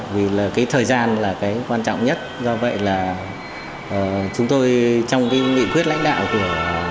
vì là cái thời gian là cái quan trọng nhất do vậy là chúng tôi trong cái nghị quyết lãnh đạo của